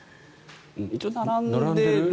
一応、並んで。